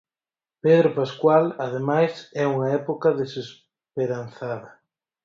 Pedro Pascual: Ademais, é unha época desesperanzada.